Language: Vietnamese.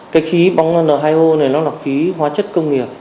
cái khí bóng n hai o này nó là khí hóa chất công nghiệp